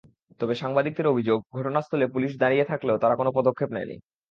তবে সাংবাদিকদের অভিযোগ, ঘটনাস্থলে পুলিশ দাঁড়িয়ে থাকলেও তারা কোনো পদক্ষেপ নেয়নি।